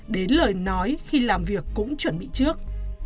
đến lời nói khi làm việc cũng chuẩn bị trước